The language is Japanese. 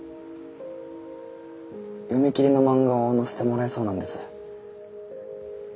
読み切りの漫画を載せてもらえそうなんです。